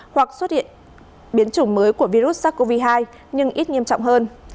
hoặc xuất hiện biến chủng mới của virus sars cov hai nhưng ít nghiêm trọng hơn